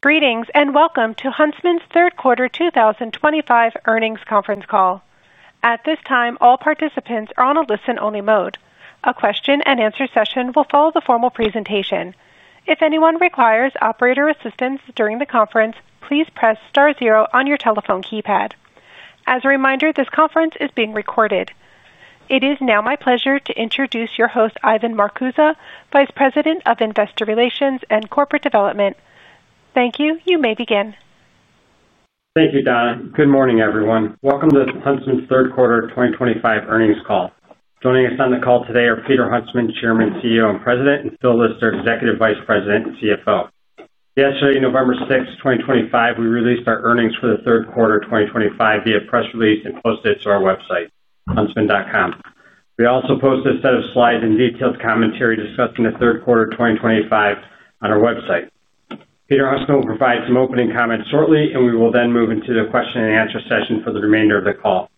Greetings and welcome to Huntsman's third quarter 2025 earnings conference call. At this time, all participants are on a listen-only mode. A question-and-answer session will follow the formal presentation. If anyone requires operator assistance during the conference, please press star zero on your telephone keypad. As a reminder, this conference is being recorded. It is now my pleasure to introduce your host, Ivan Marcuse, Vice President of Investor Relations and Corporate Development. Thank you. You may begin. Thank you, Donna. Good morning, everyone. Welcome to Huntsman's third quarter 2025 earnings call. Joining us on the call today are Peter Huntsman, Chairman, CEO, and President, and Phil Lister, Executive Vice President and CFO. Yesterday, November 6, 2025, we released our earnings for the third quarter 2025 via press release and posted it to our website, huntsman.com. We also posted a set of slides and detailed commentary discussing the third quarter 2025 on our website. Peter Huntsman will provide some opening comments shortly, and we will then move into the question-and-answer session for the remainder of the call.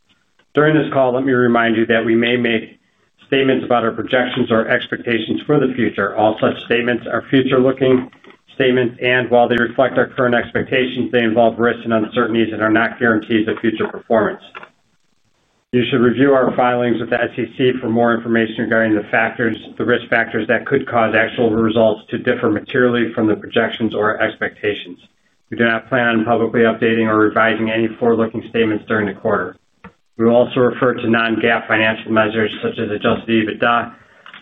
During this call, let me remind you that we may make statements about our projections or expectations for the future. All such statements are future-looking statements, and while they reflect our current expectations, they involve risks and uncertainties and are not guarantees of future performance. You should review our filings with the SEC for more information regarding the risk factors that could cause actual results to differ materially from the projections or expectations. We do not plan on publicly updating or revising any forward-looking statements during the quarter. We will also refer to non-GAAP financial measures such as adjusted EBITDA,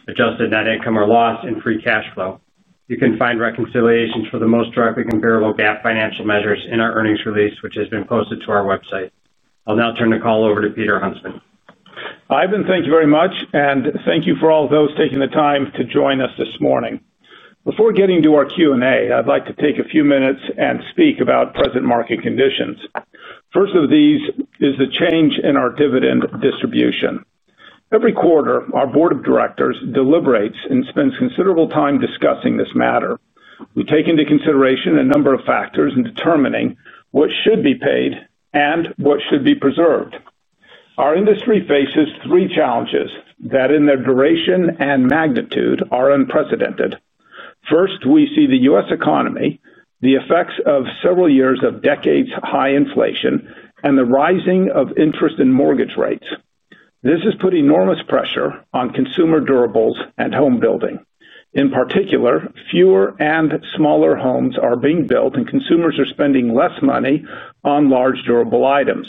adjusted net income or loss, and free cash flow. You can find reconciliations for the most directly comparable GAAP financial measures in our earnings release, which has been posted to our website. I'll now turn the call over to Peter Huntsman. Ivan, thank you very much, and thank you for all those taking the time to join us this morning. Before getting to our Q&A, I'd like to take a few minutes and speak about present market conditions. First of these is the change in our dividend distribution. Every quarter, our Board of Directors deliberates and spends considerable time discussing this matter. We take into consideration a number of factors in determining what should be paid and what should be preserved. Our industry faces three challenges that, in their duration and magnitude, are unprecedented. First, we see the U.S. economy, the effects of several years of decades' high inflation, and the rising of interest and mortgage rates. This has put enormous pressure on consumer durables and home building. In particular, fewer and smaller homes are being built, and consumers are spending less money on large durable items.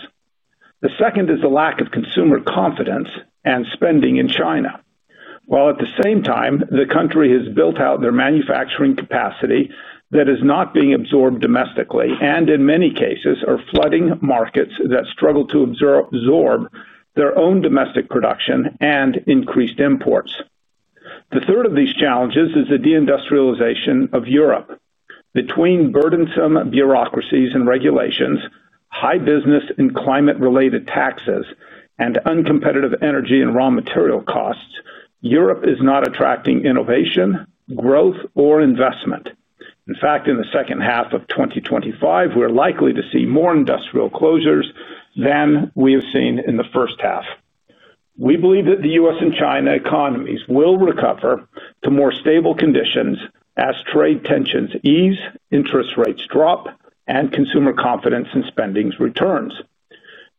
The second is the lack of consumer confidence and spending in China. While at the same time, the country has built out their manufacturing capacity that is not being absorbed domestically and, in many cases, are flooding markets that struggle to absorb their own domestic production and increased imports. The third of these challenges is the deindustrialization of Europe. Between burdensome bureaucracies and regulations, high business and climate-related taxes, and uncompetitive energy and raw material costs, Europe is not attracting innovation, growth, or investment. In fact, in the second half of 2025, we're likely to see more industrial closures than we have seen in the first half. We believe that the U.S. and China economies will recover to more stable conditions as trade tensions ease, interest rates drop, and consumer confidence and spending returns.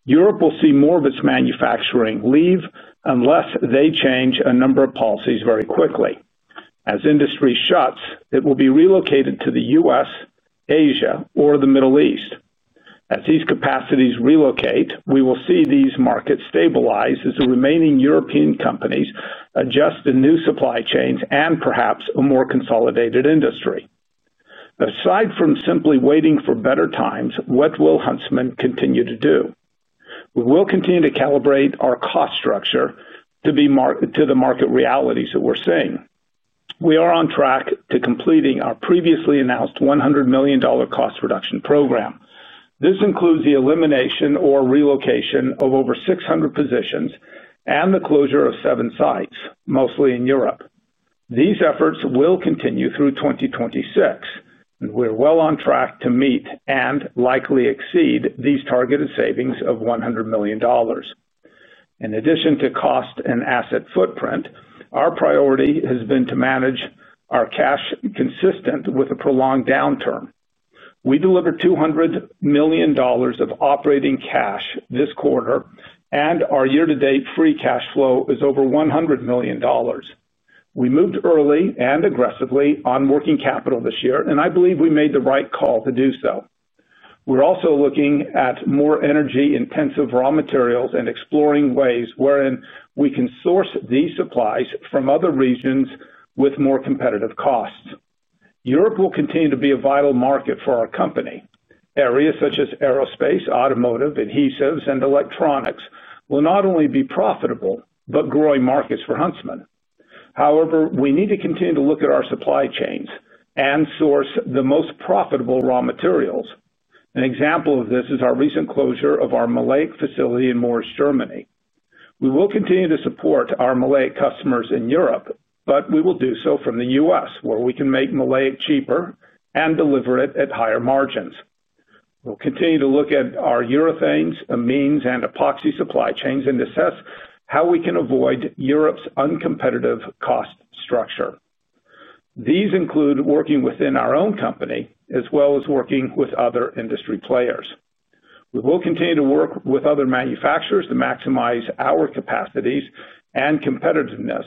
Europe will see more of its manufacturing leave unless they change a number of policies very quickly. As industry shuts, it will be relocated to the U.S., Asia, or the Middle East. As these capacities relocate, we will see these markets stabilize as the remaining European companies adjust to new supply chains and perhaps a more consolidated industry. Aside from simply waiting for better times, what will Huntsman continue to do? We will continue to calibrate our cost structure to the market realities that we're seeing. We are on track to completing our previously announced $100 million cost reduction program. This includes the elimination or relocation of over 600 positions and the closure of seven sites, mostly in Europe. These efforts will continue through 2026, and we're well on track to meet and likely exceed these targeted savings of $100 million. In addition to cost and asset footprint, our priority has been to manage our cash consistent with a prolonged downturn. We delivered $200 million of operating cash this quarter, and our year-to-date free cash flow is over $100 million. We moved early and aggressively on working capital this year, and I believe we made the right call to do so. We're also looking at more energy-intensive raw materials and exploring ways wherein we can source these supplies from other regions with more competitive costs. Europe will continue to be a vital market for our company. Areas such as aerospace, automotive, adhesives, and electronics will not only be profitable but growing markets for Huntsman. However, we need to continue to look at our supply chains and source the most profitable raw materials. An example of this is our recent closure of our Maleic facility in Moers, Germany. We will continue to support our maleic customers in Europe, but we will do so from the U.S., where we can make maleic cheaper and deliver it at higher margins. We'll continue to look at our urethanes, amines, and epoxy supply chains and assess how we can avoid Europe's uncompetitive cost structure. These include working within our own company as well as working with other industry players. We will continue to work with other manufacturers to maximize our capacities and competitiveness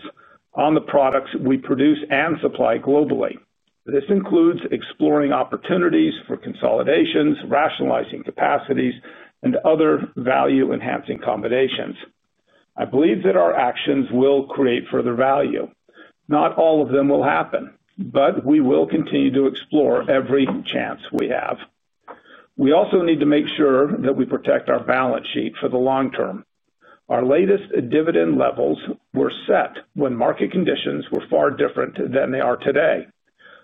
on the products we produce and supply globally. This includes exploring opportunities for consolidations, rationalizing capacities, and other value-enhancing combinations. I believe that our actions will create further value. Not all of them will happen, but we will continue to explore every chance we have. We also need to make sure that we protect our balance sheet for the long term. Our latest dividend levels were set when market conditions were far different than they are today.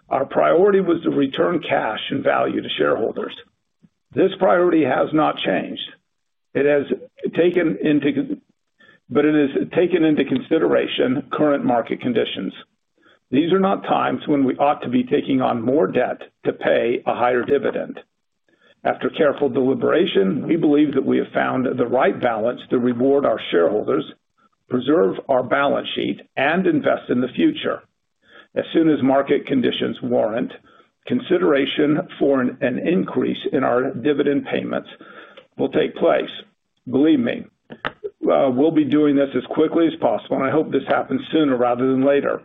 Our priority was to return cash and value to shareholders. This priority has not changed. It has taken into consideration current market conditions. These are not times when we ought to be taking on more debt to pay a higher dividend. After careful deliberation, we believe that we have found the right balance to reward our shareholders, preserve our balance sheet, and invest in the future. As soon as market conditions warrant, consideration for an increase in our dividend payments will take place. Believe me, we'll be doing this as quickly as possible, and I hope this happens sooner rather than later.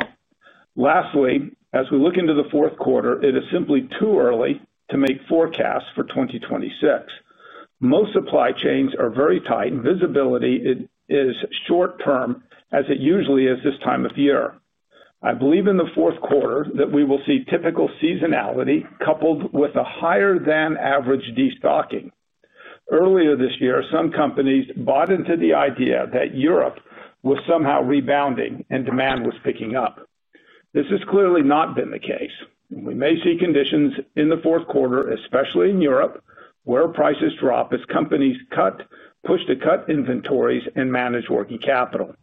Lastly, as we look into the fourth quarter, it is simply too early to make forecasts for 2026. Most supply chains are very tight, and visibility is short-term as it usually is this time of year. I believe in the fourth quarter that we will see typical seasonality coupled with a higher-than-average destocking. Earlier this year, some companies bought into the idea that Europe was somehow rebounding and demand was picking up. This has clearly not been the case. We may see conditions in the fourth quarter, especially in Europe, where prices drop as companies push to cut inventories and manage working capital.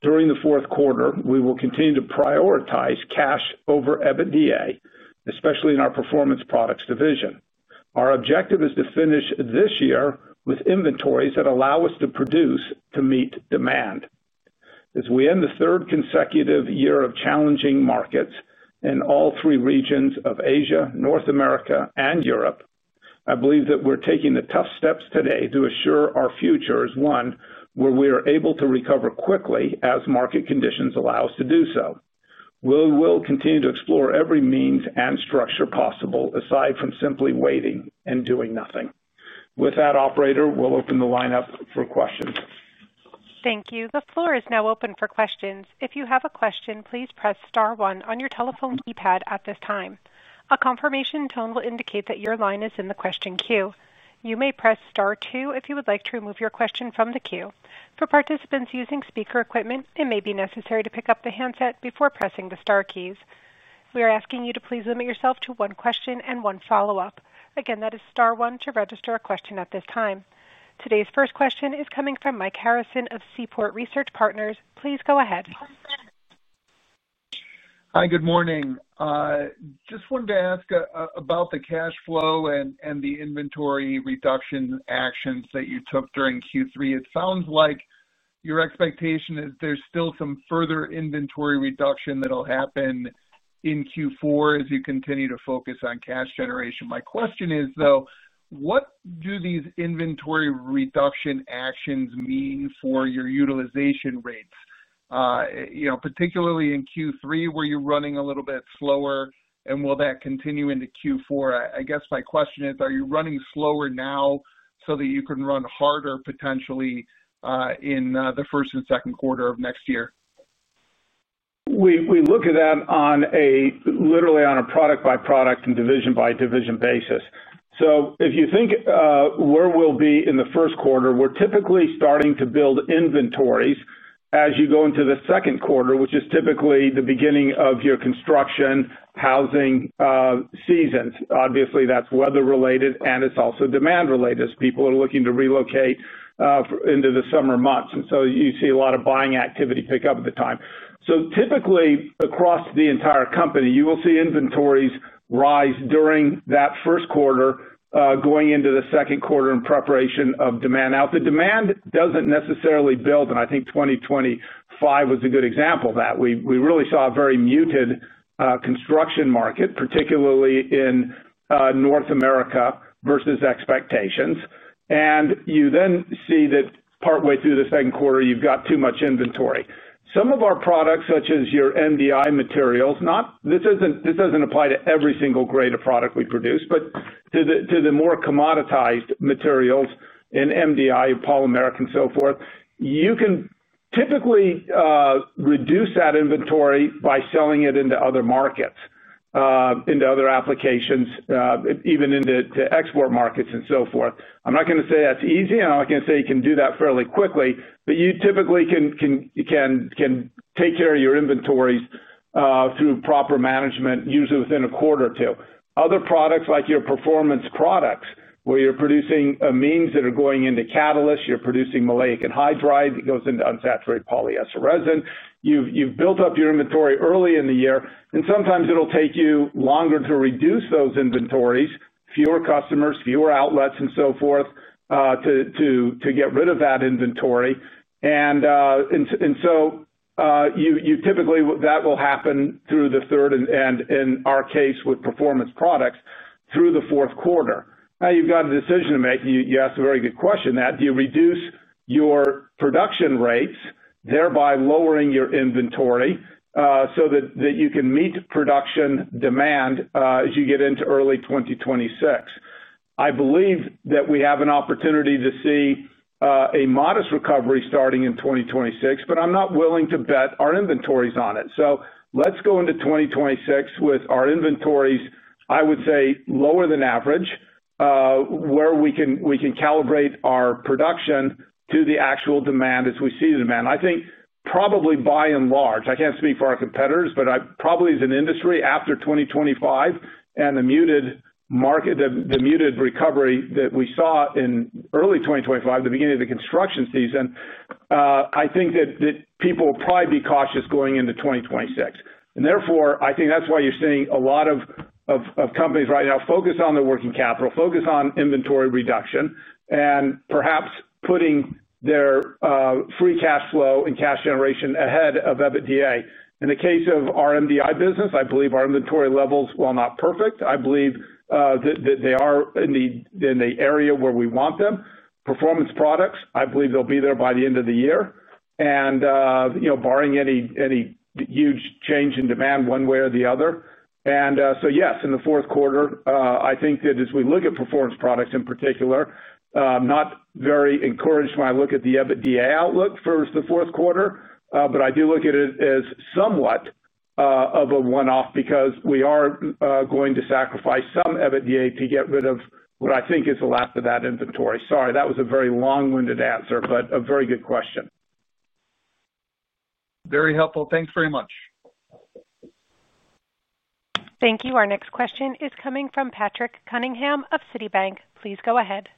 During the fourth quarter, we will continue to prioritize cash over EBITDA, especially in our performance products division. Our objective is to finish this year with inventories that allow us to produce to meet demand. As we end the third consecutive year of challenging markets in all three regions of Asia, North America, and Europe, I believe that we're taking the tough steps today to assure our future as one where we are able to recover quickly as market conditions allow us to do so. We will continue to explore every means and structure possible aside from simply waiting and doing nothing. With that, Operator, we'll open the line up for questions. Thank you. The floor is now open for questions. If you have a question, please press star one on your telephone keypad at this time. A confirmation tone will indicate that your line is in the question queue. You may press star two if you would like to remove your question from the queue. For participants using speaker equipment, it may be necessary to pick up the handset before pressing the star keys. We are asking you to please limit yourself to one question and one follow-up. Again, that is star one to register a question at this time. Today's first question is coming from Mike Harrison of Seaport Research Partners. Please go ahead. Hi, good morning. Just wanted to ask about the cash flow and the inventory reduction actions that you took during Q3. It sounds like your expectation is there's still some further inventory reduction that'll happen in Q4 as you continue to focus on cash generation. My question is, though, what do these inventory reduction actions mean for your utilization rates? Particularly in Q3, were you running a little bit slower, and will that continue into Q4? I guess my question is, are you running slower now so that you can run harder potentially in the first and second quarter of next year? We look at that literally on a product-by-product and division-by-division basis. If you think where we'll be in the first quarter, we're typically starting to build inventories as you go into the second quarter, which is typically the beginning of your construction, housing seasons. Obviously, that's weather-related, and it's also demand-related as people are looking to relocate into the summer months. You see a lot of buying activity pick up at the time. Typically, across the entire company, you will see inventories rise during that first quarter going into the second quarter in preparation of demand. Now, the demand doesn't necessarily build, and I think 2025 was a good example of that. We really saw a very muted construction market, particularly in North America versus expectations. You then see that partway through the second quarter, you've got too much inventory. Some of our products, such as your MDI materials, this does not apply to every single grade of product we produce, but to the more commoditized materials in MDI, polymeric, and so forth, you can typically reduce that inventory by selling it into other markets, into other applications, even into export markets and so forth. I am not going to say that is easy, and I am not going to say you can do that fairly quickly, but you typically can take care of your inventories through proper management, usually within a quarter or two. Other products like your performance products, where you are producing amines that are going into catalysts, you are producing Maleic Anhydride that goes into unsaturated polyester resin, you have built up your inventory early in the year, and sometimes it will take you longer to reduce those inventories, fewer customers, fewer outlets, and so forth to get rid of that inventory. Typically, that will happen through the third, and in our case with performance products, through the fourth quarter. Now, you have got a decision to make. You asked a very good question that. Do you reduce your production rates, thereby lowering your inventory so that you can meet production demand as you get into early 2026? I believe that we have an opportunity to see a modest recovery starting in 2026, but I am not willing to bet our inventories on it. Let us go into 2026 with our inventories, I would say, lower than average, where we can calibrate our production to the actual demand as we see the demand. I think probably by and large, I can't speak for our competitors, but probably as an industry after 2025 and the muted recovery that we saw in early 2025, the beginning of the construction season, I think that people will probably be cautious going into 2026. Therefore, I think that's why you're seeing a lot of companies right now focus on their working capital, focus on inventory reduction, and perhaps putting their free cash flow and cash generation ahead of EBITDA. In the case of our MDI business, I believe our inventory levels, while not perfect, I believe that they are in the area where we want them. Performance products, I believe they'll be there by the end of the year, and barring any huge change in demand one way or the other. Yes, in the fourth quarter, I think that as we look at performance products in particular, not very encouraged when I look at the EBITDA outlook for the fourth quarter, but I do look at it as somewhat of a one-off because we are going to sacrifice some EBITDA to get rid of what I think is the last of that inventory. Sorry, that was a very long-winded answer, but a very good question. Very helpful. Thanks very much. Thank you. Our next question is coming from Patrick Cunningham of Citibank. Please go ahead.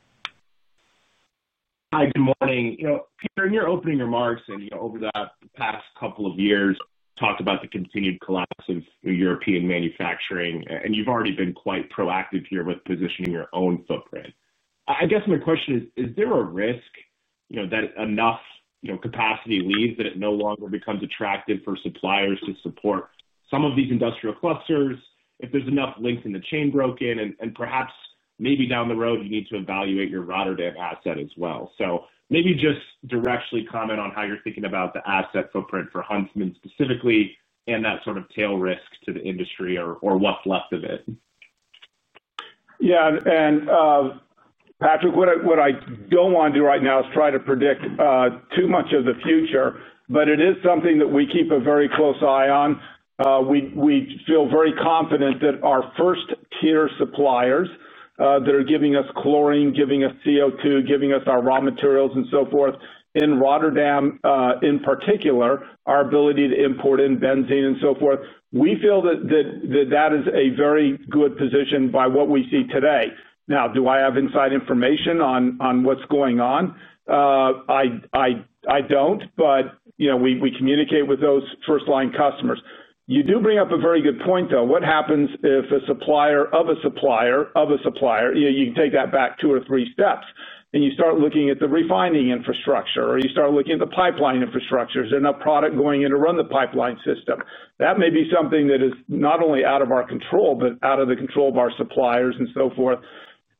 Hi, good morning. Peter, in your opening remarks and over the past couple of years, talked about the continued collapse of European manufacturing, and you've already been quite proactive here with positioning your own footprint. I guess my question is, is there a risk that enough capacity leaves that it no longer becomes attractive for suppliers to support some of these industrial clusters if there's enough links in the chain broken? Perhaps maybe down the road, you need to evaluate your Rotterdam asset as well. Maybe just directly comment on how you're thinking about the asset footprint for Huntsman specifically and that sort of tail risk to the industry or what's left of it. Yeah. Patrick, what I do not want to do right now is try to predict too much of the future, but it is something that we keep a very close eye on. We feel very confident that our first-tier suppliers that are giving us chlorine, giving us CO2, giving us our raw materials, and so forth, in Rotterdam in particular, our ability to import in benzene and so forth, we feel that that is a very good position by what we see today. Now, do I have inside information on what is going on? I do not, but we communicate with those first-line customers. You do bring up a very good point, though. What happens if a supplier of a supplier of a supplier? You can take that back two or three steps, and you start looking at the refining infrastructure, or you start looking at the pipeline infrastructure. Is there enough product going in to run the pipeline system? That may be something that is not only out of our control but out of the control of our suppliers and so forth.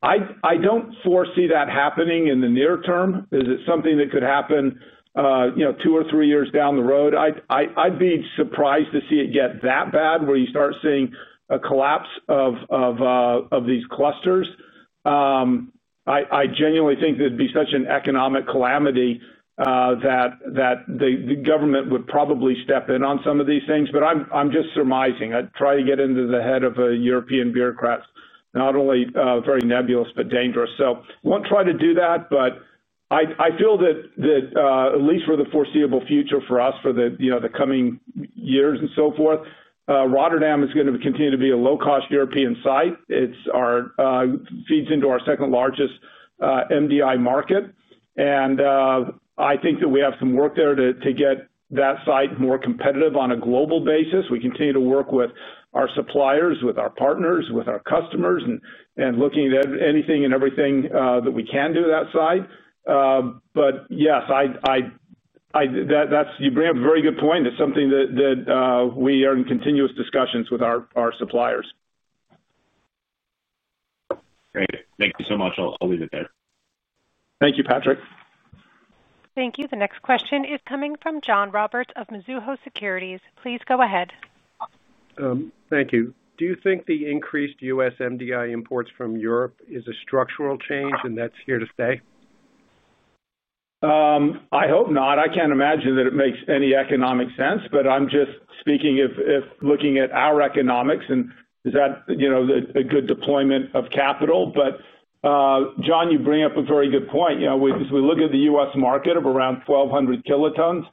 I do not foresee that happening in the near term. Is it something that could happen two or three years down the road? I would be surprised to see it get that bad where you start seeing a collapse of these clusters. I genuinely think there would be such an economic calamity that the government would probably step in on some of these things, but I am just surmising. I try to get into the head of a European bureaucrat. It is not only very nebulous but dangerous. I won't try to do that, but I feel that at least for the foreseeable future for us for the coming years and so forth, Rotterdam is going to continue to be a low-cost European site. It feeds into our second-largest MDI market. I think that we have some work there to get that site more competitive on a global basis. We continue to work with our suppliers, with our partners, with our customers, and looking at anything and everything that we can do that side. Yes, you bring up a very good point. It's something that we are in continuous discussions with our suppliers. Great. Thank you so much. I'll leave it there. Thank you, Patrick. Thank you. The next question is coming from John Roberts of Mizuho Securities. Please go ahead. Thank you. Do you think the increased U.S. MDI imports from Europe is a structural change, and that's here to stay? I hope not. I can't imagine that it makes any economic sense, but I'm just speaking if looking at our economics, and is that a good deployment of capital? John, you bring up a very good point. As we look at the U.S. market of around 1,200 kilotons,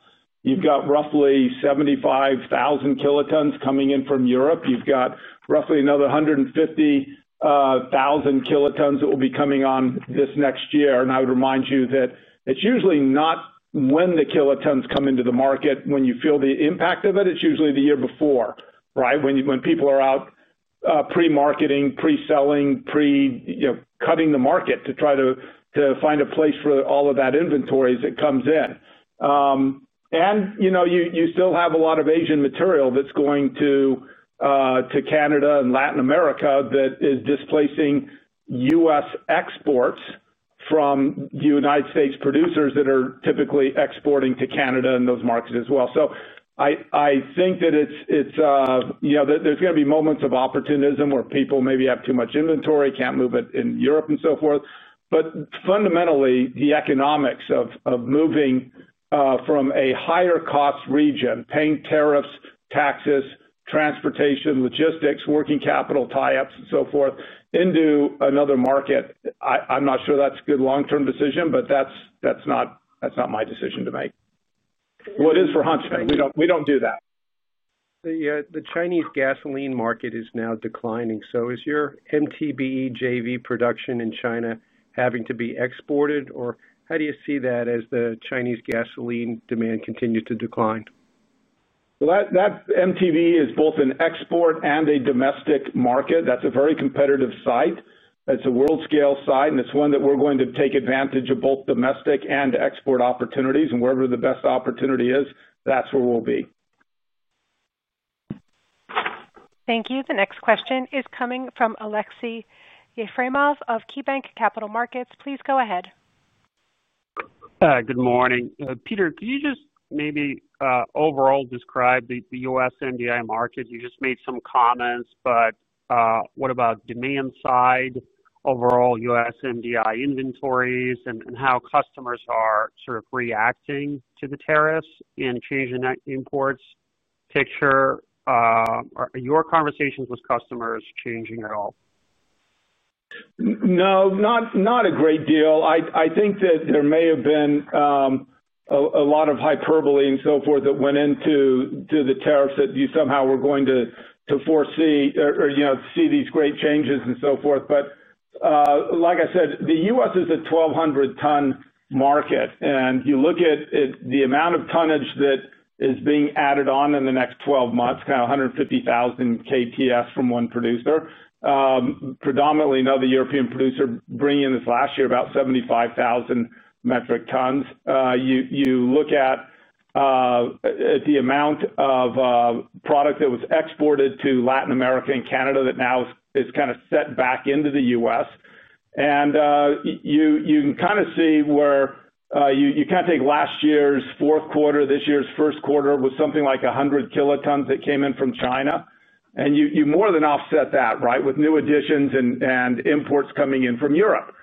you've got roughly 75 kilotons coming in from Europe. You've got roughly another 150 kilotons that will be coming on this next year. I would remind you that it's usually not when the kilotons come into the market when you feel the impact of it. It's usually the year before, right, when people are out pre-marketing, pre-selling, pre-cutting the market to try to find a place for all of that inventory as it comes in. You still have a lot of Asian material that is going to Canada and Latin America that is displacing U.S. exports from the United States producers that are typically exporting to Canada and those markets as well. I think that there are going to be moments of opportunism where people maybe have too much inventory, cannot move it in Europe and so forth. Fundamentally, the economics of moving from a higher-cost region, paying tariffs, taxes, transportation, logistics, working capital tie-ups, and so forth into another market, I am not sure that is a good long-term decision, but that is not my decision to make. For Huntsman, we do not do that. The Chinese gasoline market is now declining. Is your MTBE JV production in China having to be exported, or how do you see that as the Chinese gasoline demand continues to decline? That MTBE is both an export and a domestic market. It is a very competitive site. It is a world-scale site, and it is one that we are going to take advantage of both domestic and export opportunities. Wherever the best opportunity is, that is where we will be. Thank you. The next question is coming from Aleksey Yefremov of KeyBanc Capital Markets. Please go ahead. Good morning. Peter, could you just maybe overall describe the U.S. MDI market? You just made some comments, but what about demand side overall U.S. MDI inventories and how customers are sort of reacting to the tariffs and changing that imports picture? Are your conversations with customers changing at all? No, not a great deal. I think that there may have been a lot of hyperbole and so forth that went into the tariffs that you somehow were going to foresee or see these great changes and so forth. Like I said, the U.S. is a 1,200-ton market. You look at the amount of tonnage that is being added on in the next 12 months, kind of 150,000 KPS from one producer, predominantly another European producer bringing in this last year about 75,000 metric tons. You look at the amount of product that was exported to Latin America and Canada that now is kind of set back into the U.S. You can kind of see where you take last year's fourth quarter, this year's first quarter was something like 100 kilotons that came in from China. You more than offset that, right, with new additions and imports coming in from Europe.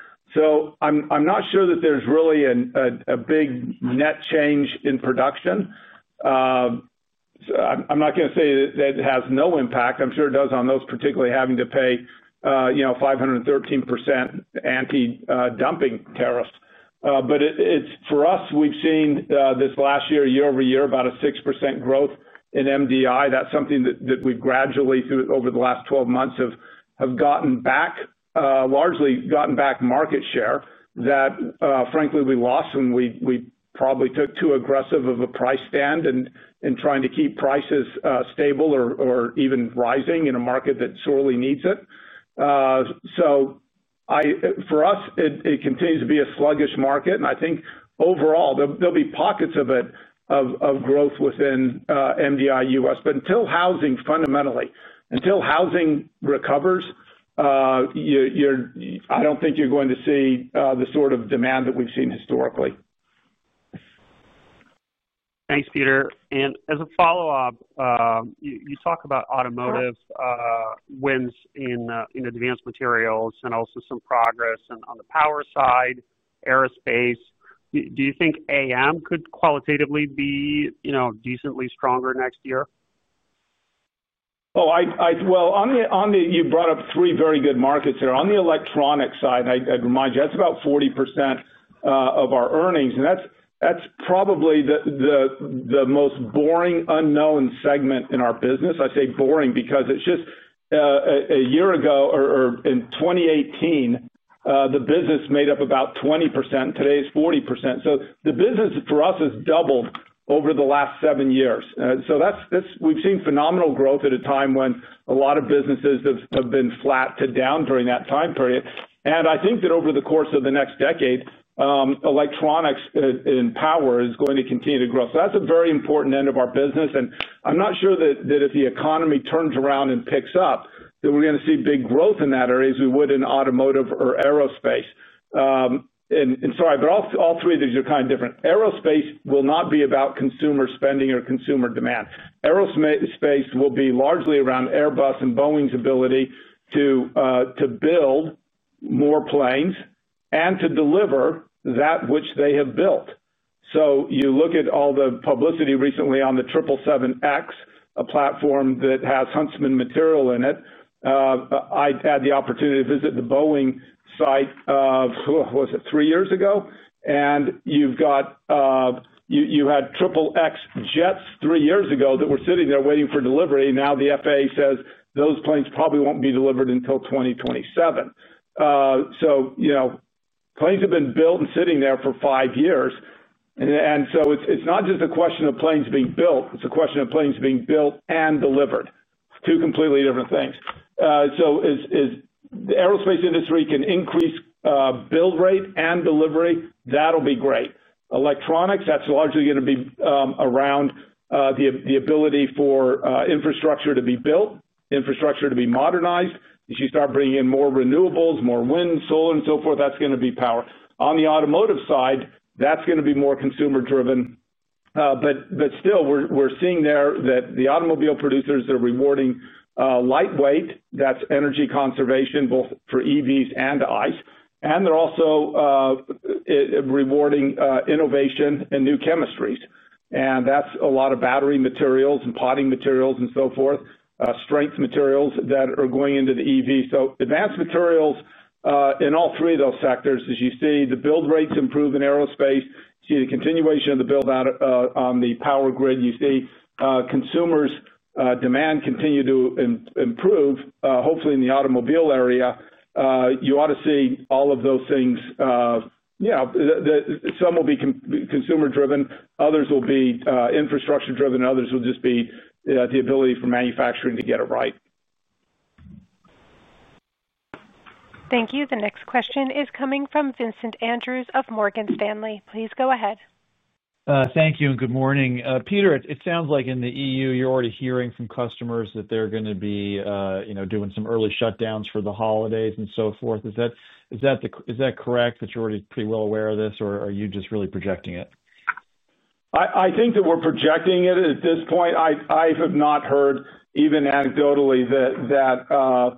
I'm not sure that there's really a big net change in production. I'm not going to say that it has no impact. I'm sure it does on those, particularly having to pay 513% anti-dumping tariffs. For us, we've seen this last year, year-over-year, about a 6% growth in MDI. That's something that we've gradually, through over the last 12 months, have gotten back, largely gotten back market share that, frankly, we lost when we probably took too aggressive of a price stand in trying to keep prices stable or even rising in a market that sorely needs it. For us, it continues to be a sluggish market. I think overall, there'll be pockets of it of growth within MDI U.S. Until housing, fundamentally, until housing recovers, I don't think you're going to see the sort of demand that we've seen historically. Thanks, Peter. As a follow-up, you talk about automotive wins in advanced materials and also some progress on the power side, aerospace. Do you think AM could qualitatively be decently stronger next year? You brought up three very good markets there. On the electronic side, I'd remind you, that's about 40% of our earnings. That's probably the most boring unknown segment in our business. I say boring because just a year ago or in 2018, the business made up about 20%. Today it's 40%. The business for us has doubled over the last seven years. We have seen phenomenal growth at a time when a lot of businesses have been flat to down during that time period. I think that over the course of the next decade, electronics and power are going to continue to grow. That's a very important end of our business. I'm not sure that if the economy turns around and picks up, we're going to see big growth in that area as we would in automotive or aerospace. All three of these are kind of different. Aerospace will not be about consumer spending or consumer demand. Aerospace will be largely around Airbus and Boeing's ability to build more planes and to deliver that which they have built. You look at all the publicity recently on the 777X, a platform that has Huntsman material in it. I had the opportunity to visit the Boeing site, what was it, three years ago. You had 777X jets three years ago that were sitting there waiting for delivery. Now the FAA says those planes probably will not be delivered until 2027. Planes have been built and sitting there for five years. It is not just a question of planes being built. It is a question of planes being built and delivered. Two completely different things. If the aerospace industry can increase build rate and delivery, that'll be great. Electronics, that's largely going to be around the ability for infrastructure to be built, infrastructure to be modernized. If you start bringing in more renewables, more wind, solar, and so forth, that's going to be power. On the automotive side, that's going to be more consumer-driven. Still, we're seeing there that the automobile producers are rewarding lightweight. That's energy conservation both for EVs and ICE. They're also rewarding innovation and new chemistries. That's a lot of battery materials and potting materials and so forth, strength materials that are going into the EV. Advanced materials in all three of those sectors, as you see the build rates improve in aerospace. You see the continuation of the build-out on the power grid. You see consumers' demand continue to improve, hopefully in the automobile area. You ought to see all of those things. Some will be consumer-driven. Others will be infrastructure-driven. Others will just be the ability for manufacturing to get it right. Thank you. The next question is coming from Vincent Andrews of Morgan Stanley. Please go ahead. Thank you and good morning. Peter, it sounds like in the EU, you're already hearing from customers that they're going to be doing some early shutdowns for the holidays and so forth. Is that correct that you're already pretty well aware of this, or are you just really projecting it? I think that we're projecting it at this point. I have not heard, even anecdotally, that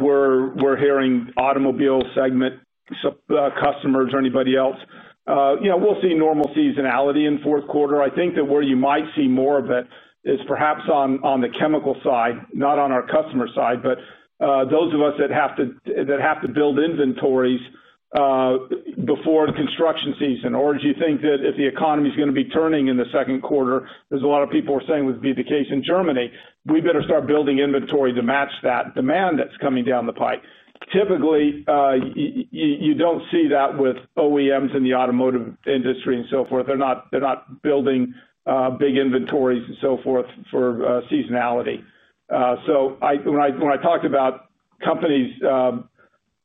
we're hearing automobile segment customers or anybody else. We'll see normal seasonality in fourth quarter. I think that where you might see more of it is perhaps on the chemical side, not on our customer side, but those of us that have to build inventories before construction season. Or do you think that if the economy is going to be turning in the second quarter, as a lot of people are saying would be the case in Germany, we better start building inventory to match that demand that's coming down the pike? Typically, you don't see that with OEMs in the automotive industry and so forth. They're not building big inventories and so forth for seasonality. When I talked about companies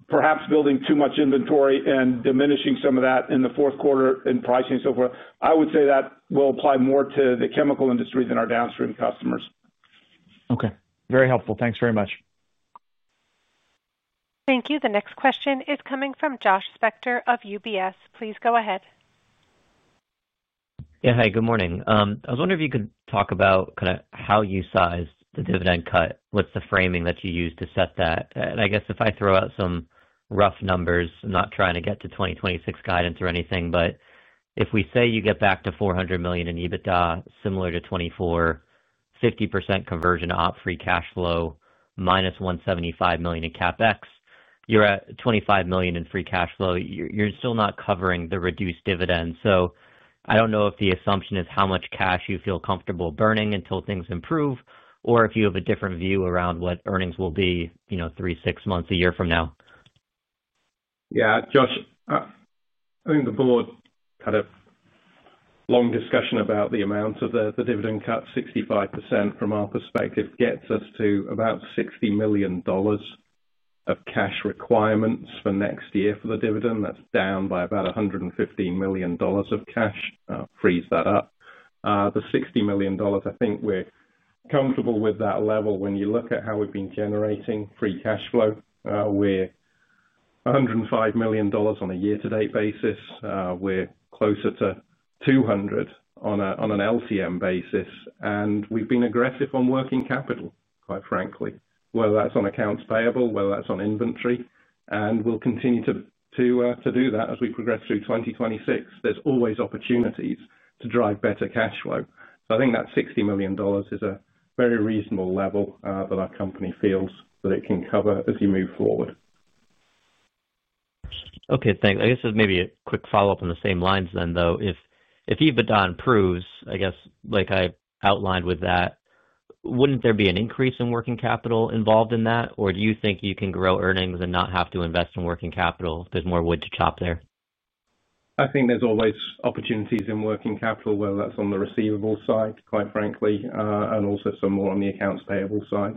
perhaps building too much inventory and diminishing some of that in the fourth quarter in pricing and so forth, I would say that will apply more to the chemical industry than our downstream customers. Okay. Very helpful. Thanks very much. Thank you. The next question is coming from Josh Spector of UBS. Please go ahead. Yeah. Hi, good morning. I was wondering if you could talk about kind of how you sized the dividend cut, what's the framing that you use to set that. I guess if I throw out some rough numbers, I'm not trying to get to 2026 guidance or anything, but if we say you get back to $400 million in EBITDA, similar to 2024, 50% conversion to op free cash flow, -$175 million in CapEx, you're at $25 million in free cash flow. You're still not covering the reduced dividend. I don't know if the assumption is how much cash you feel comfortable burning until things improve, or if you have a different view around what earnings will be three, six months, a year from now. Yeah. Josh, I think the board had a long discussion about the amount of the dividend cut. 65% from our perspective gets us to about $60 million of cash requirements for next year for the dividend. That is down by about $115 million of cash. Freeze that up. The $60 million, I think we are comfortable with that level when you look at how we have been generating free cash flow. We are $105 million on a year-to-date basis. We are closer to $200 million on an LCM basis. And we have been aggressive on working capital, quite frankly, whether that is on accounts payable, whether that is on inventory. We will continue to do that as we progress through 2026. There are always opportunities to drive better cash flow. I think that $60 million is a very reasonable level that our company feels that it can cover as you move forward. Okay. Thanks. I guess maybe a quick follow-up on the same lines then, though. If EBITDA improves, I guess, like I outlined with that, would not there be an increase in working capital involved in that? Or do you think you can grow earnings and not have to invest in working capital? There is more wood to chop there. I think there's always opportunities in working capital, whether that's on the receivable side, quite frankly, and also some more on the accounts payable side.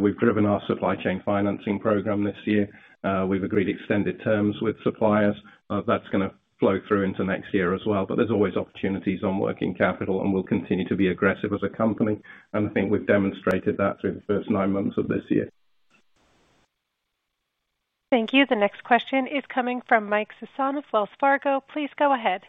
We've driven our supply chain financing program this year. We've agreed extended terms with suppliers. That's going to flow through into next year as well. There are always opportunities on working capital, and we'll continue to be aggressive as a company. I think we've demonstrated that through the first nine months of this year. Thank you. The next question is coming from Mike Sison of Wells Fargo. Please go ahead.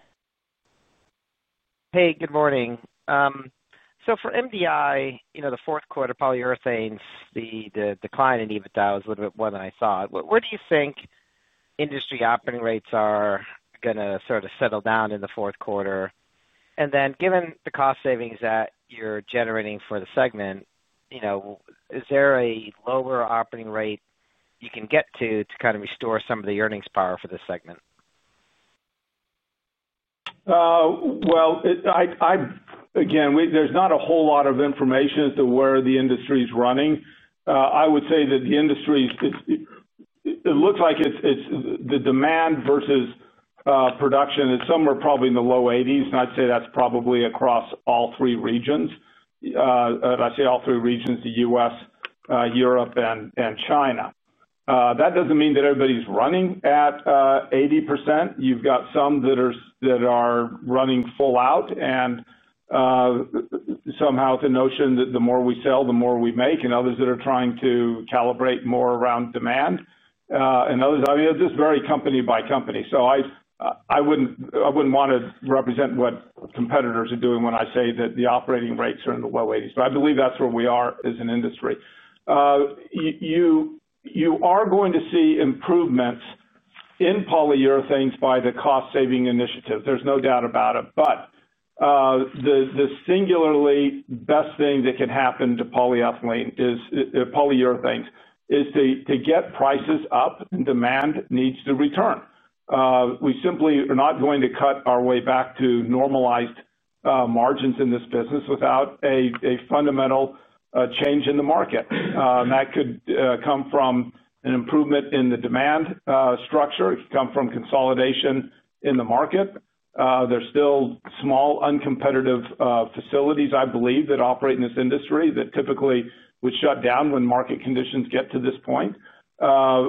Hey, good morning. For MDI, the fourth quarter polyurethanes, the decline in EBITDA was a little bit more than I thought. Where do you think industry operating rates are going to sort of settle down in the fourth quarter? Given the cost savings that you're generating for the segment, is there a lower operating rate you can get to to kind of restore some of the earnings power for the segment? There is not a whole lot of information as to where the industry is running. I would say that the industry looks like the demand versus production is somewhere probably in the low 80%. I would say that is probably across all three regions. When I say all three regions, the U.S., Europe, and China. That does not mean that everybody is running at 80%. You have some that are running full out and somehow the notion that the more we sell, the more we make, and others that are trying to calibrate more around demand. Others, I mean, it is just very company by company. I would not want to represent what competitors are doing when I say that the operating rates are in the low 80%. I believe that is where we are as an industry. You are going to see improvements in polyurethanes by the cost-saving initiative. There's no doubt about it. The singularly best thing that can happen to polyurethanes is to get prices up and demand needs to return. We simply are not going to cut our way back to normalized margins in this business without a fundamental change in the market. That could come from an improvement in the demand structure. It could come from consolidation in the market. There are still small, uncompetitive facilities, I believe, that operate in this industry that typically would shut down when market conditions get to this point,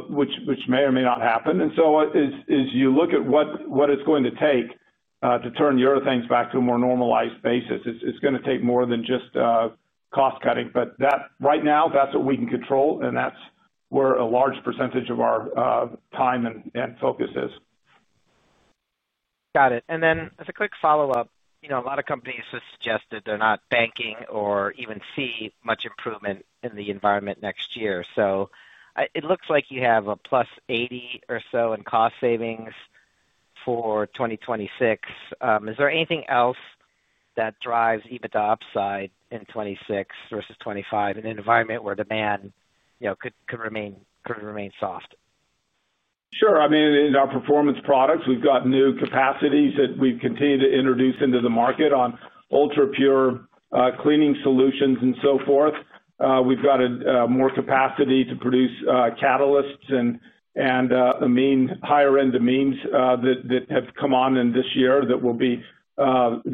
which may or may not happen. As you look at what it's going to take to turn things back to a more normalized basis, it's going to take more than just cost cutting. Right now, that's what we can control, and that's where a large percentage of our time and focus is. Got it. Then as a quick follow-up, a lot of companies have suggested they're not banking or even see much improvement in the environment next year. It looks like you have a plus $80 million or so in cost savings for 2026. Is there anything else that drives EBITDA upside in 2026 versus 2025 in an environment where demand could remain soft? Sure. I mean, in our performance products, we've got new capacities that we've continued to introduce into the market on ultra-pure cleaning solutions and so forth. We've got more capacity to produce catalysts and higher-end amines that have come on in this year that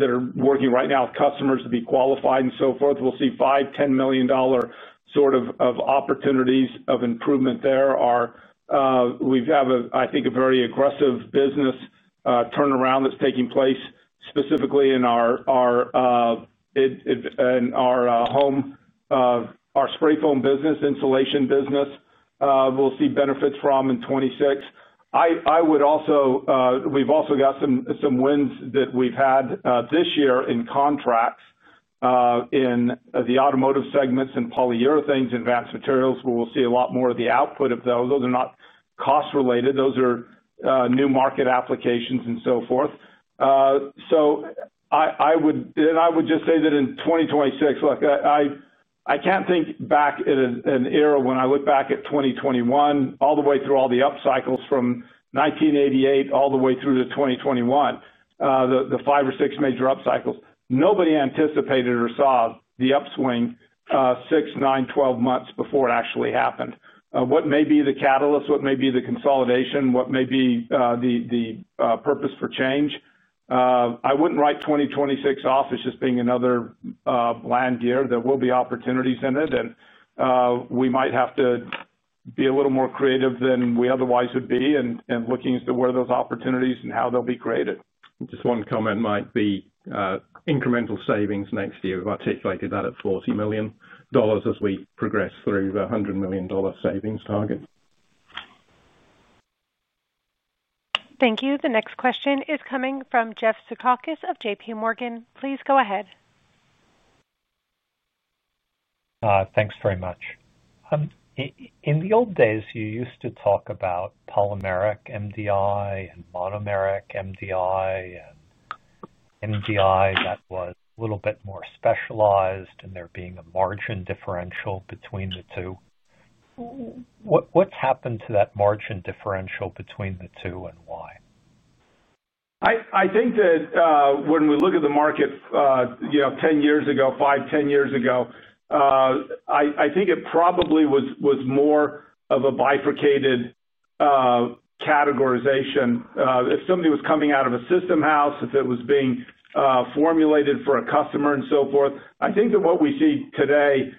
are working right now with customers to be qualified and so forth. We'll see $5 million-$10 million sort of opportunities of improvement there. We have, I think, a very aggressive business turnaround that's taking place specifically in our spray foam business, insulation business. We'll see benefits from in 2026. We've also got some wins that we've had this year in contracts in the automotive segments and polyurethanes and advanced materials. We'll see a lot more of the output of those. Those are not cost-related. Those are new market applications and so forth. I would just say that in 2026, I can't think back in an era when I look back at 2021 all the way through all the upcycles from 1988 all the way through to 2021, the five or six major upcycles. Nobody anticipated or saw the upswing six, nine, twelve months before it actually happened. What may be the catalyst? What may be the consolidation? What may be the purpose for change? I wouldn't write 2026 off as just being another bland year. There will be opportunities in it, and we might have to be a little more creative than we otherwise would be in looking as to where those opportunities and how they'll be created. Just one comment might be incremental savings next year. We've articulated that at $40 million as we progress through the $100 million savings target. Thank you. The next question is coming from Jeff Zekauskas of JPMorgan. Please go ahead. Thanks very much. In the old days, you used to talk about Polymeric MDI and Monomeric MDI and NDI that was a little bit more specialized and there being a margin differential between the two. What's happened to that margin differential between the two and why? I think that when we look at the market 10 years ago, 5, 10 years ago, I think it probably was more of a bifurcated categorization. If something was coming out of a system house, if it was being formulated for a customer and so forth, I think that what we see today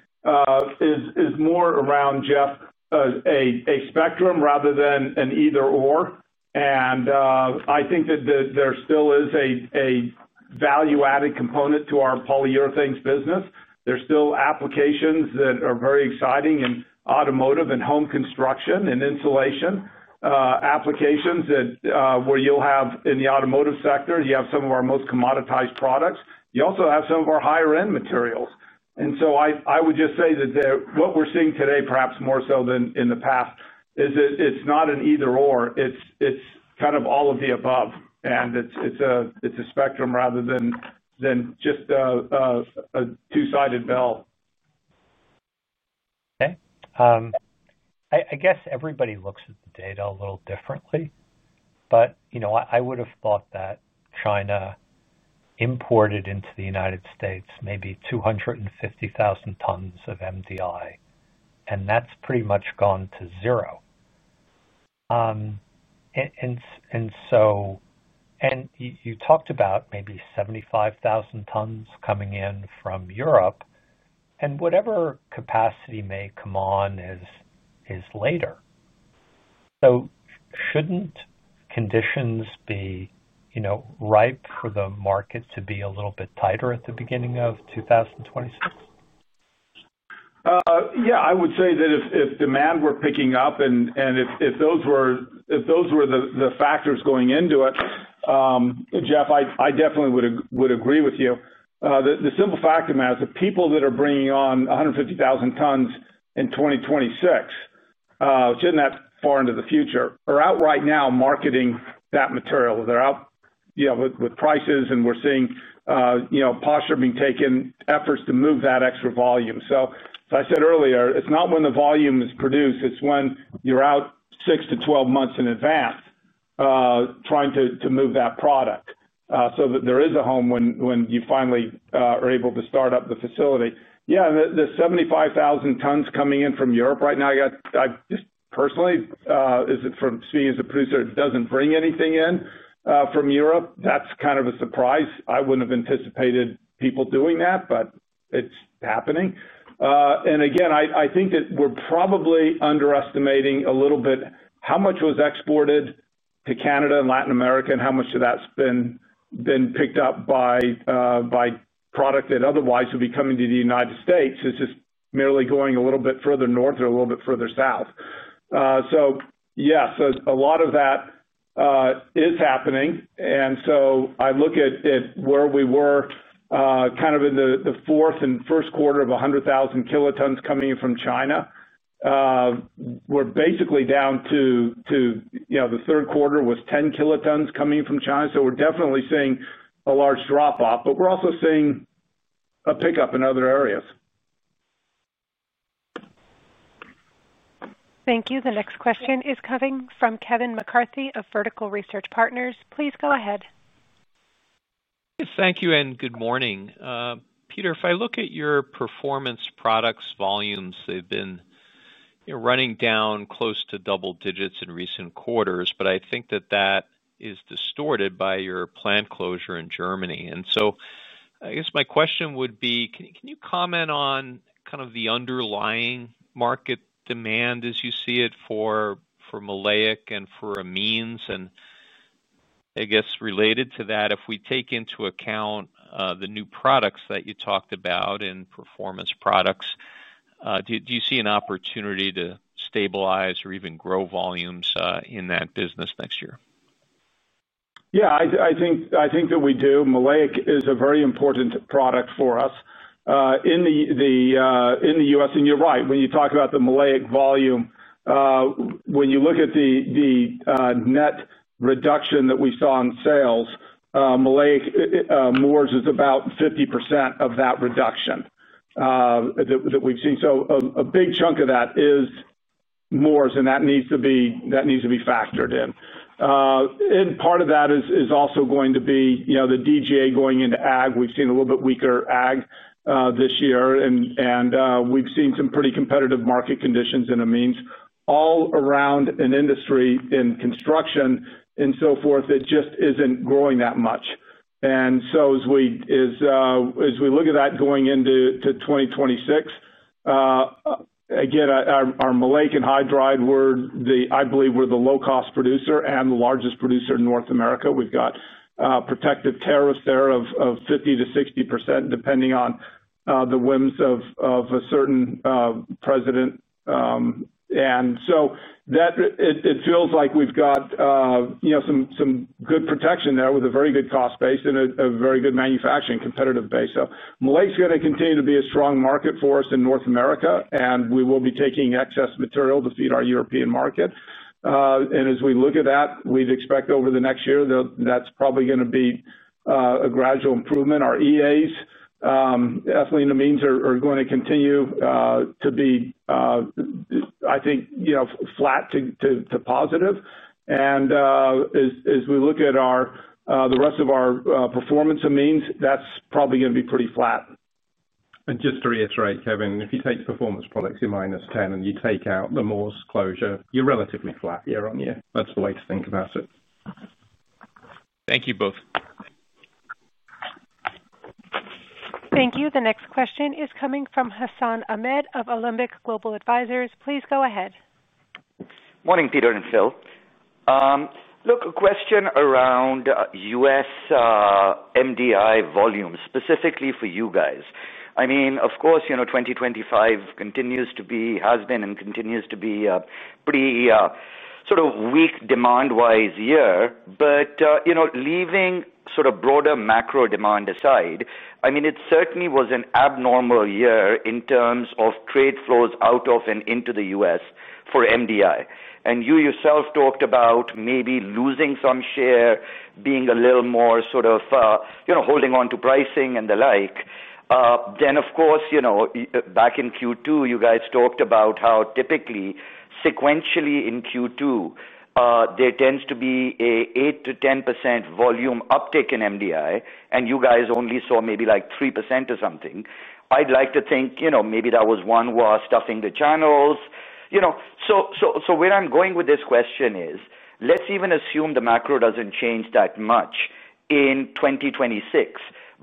is more around, Jeff, a spectrum rather than an either/or. I think that there still is a value-added component to our polyurethanes business. There are still applications that are very exciting in automotive and home construction and insulation applications where you will have in the automotive sector, you have some of our most commoditized products. You also have some of our higher-end materials. I would just say that what we are seeing today, perhaps more so than in the past, is that it is not an either/or. It is kind of all of the above. It's a spectrum rather than just a two-sided bell. Okay. I guess everybody looks at the data a little differently, but I would have thought that China imported into the United States maybe 250,000 tons of MDI, and that's pretty much gone to zero. You talked about maybe 75,000 tons coming in from Europe, and whatever capacity may come on is later. Shouldn't conditions be ripe for the market to be a little bit tighter at the beginning of 2026? Yeah. I would say that if demand were picking up and if those were the factors going into it, Jeff, I definitely would agree with you. The simple fact of that is the people that are bringing on 150,000 tons in 2026, which is not that far into the future, are out right now marketing that material. They're out with prices, and we're seeing posture being taken, efforts to move that extra volume. As I said earlier, it's not when the volume is produced. It's when you're out 6-12 months in advance trying to move that product so that there is a home when you finally are able to start up the facility. Yeah. The 75,000 tons coming in from Europe right now, I just personally, speaking as a producer, does not bring anything in from Europe. That's kind of a surprise. I wouldn't have anticipated people doing that, but it's happening. Again, I think that we're probably underestimating a little bit how much was exported to Canada and Latin America and how much of that's been picked up by product that otherwise would be coming to the United States. It's just merely going a little bit further north or a little bit further south. Yeah, a lot of that is happening. I look at where we were kind of in the fourth and first quarter of 100,000 kilotons coming in from China. We're basically down to the third quarter was 10 kilotons coming from China. We're definitely seeing a large drop-off, but we're also seeing a pickup in other areas. Thank you. The next question is coming from Kevin McCarthy of Vertical Research Partners. Please go ahead. Thank you and good morning. Peter, if I look at your performance products volumes, they've been running down close to double digits in recent quarters, but I think that that is distorted by your plant closure in Germany. I guess my question would be, can you comment on kind of the underlying market demand as you see it for maleic and for amines? I guess related to that, if we take into account the new products that you talked about and performance products, do you see an opportunity to stabilize or even grow volumes in that business next year? Yeah. I think that we do. Maleic is a very important product for us in the U.S. And you're right. When you talk about the maleic volume, when you look at the net reduction that we saw in sales, maleic Moers is about 50% of that reduction that we've seen. A big chunk of that is Moers, and that needs to be factored in. Part of that is also going to be the DGA going into ag. We've seen a little bit weaker ag this year, and we've seen some pretty competitive market conditions in amines all around an industry in construction and so forth that just isn't growing that much. As we look at that going into 2026, again, our Maleic Anhydride, I believe, we're the low-cost producer and the largest producer in North America. We've got protective tariffs there of 50-60% depending on the whims of a certain president. It feels like we've got some good protection there with a very good cost base and a very good manufacturing competitive base. Maleic is going to continue to be a strong market for us in North America, and we will be taking excess material to feed our European market. As we look at that, we'd expect over the next year that that's probably going to be a gradual improvement. Our EAs, ethyleneamines, are going to continue to be, I think, flat to positive. As we look at the rest of our performance amines, that's probably going to be pretty flat. Just to reiterate, Kevin, if you take performance products in -10 and you take out the Moers closure, you're relatively flat year on year. That's the way to think about it. Thank you both. Thank you. The next question is coming from Hassan Ahmed of Alembic Global Advisors. Please go ahead. Morning, Peter and Phil. Look, a question around U.S. MDI volumes, specifically for you guys. I mean, of course, 2025 continues to be, has been, and continues to be a pretty sort of weak demand-wise year. Leaving sort of broader macro demand aside, I mean, it certainly was an abnormal year in terms of trade flows out of and into the U.S. for MDI. You yourself talked about maybe losing some share, being a little more sort of holding on to pricing and the like. Of course, back in Q2, you guys talked about how typically sequentially in Q2, there tends to be an 8%-10% volume uptick in MDI, and you guys only saw maybe like 3% or something. I'd like to think maybe that was one wall stuffing the channels. Where I'm going with this question is, let's even assume the macro doesn't change that much in 2026,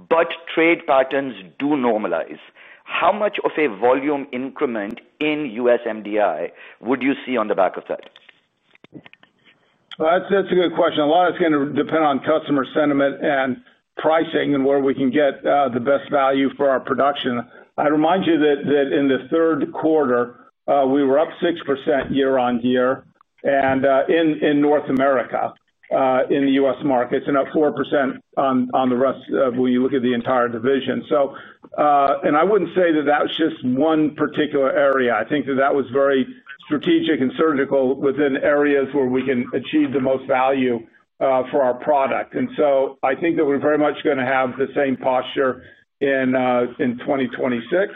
but trade patterns do normalize. How much of a volume increment in U.S. MDI would you see on the back of that? That is a good question. A lot of it is going to depend on customer sentiment and pricing and where we can get the best value for our production. I remind you that in the third quarter, we were up 6% year-on-year in North America in the U.S. markets and up 4% on the rest when you look at the entire division. I would not say that that was just one particular area. I think that that was very strategic and surgical within areas where we can achieve the most value for our product. I think that we are very much going to have the same posture in 2026.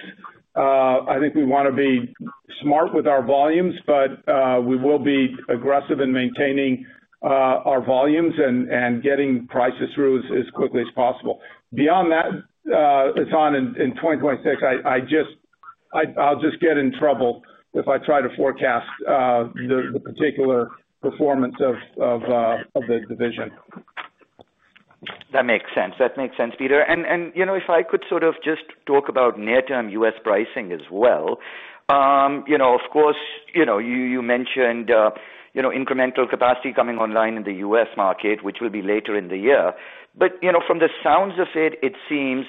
I think we want to be smart with our volumes, but we will be aggressive in maintaining our volumes and getting prices through as quickly as possible. Beyond that, Hassan, in 2026, I'll just get in trouble if I try to forecast the particular performance of the division. That makes sense. That makes sense, Peter. If I could sort of just talk about near-term U.S. pricing as well. Of course, you mentioned incremental capacity coming online in the U.S. market, which will be later in the year. From the sounds of it, it seems